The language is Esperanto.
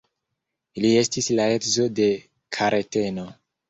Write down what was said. Li estis la edzo de Kareteno.